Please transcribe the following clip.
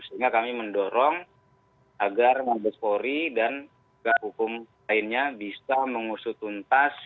sehingga kami mendorong agar mandat kori dan tiga hukum lainnya bisa mengusutuntas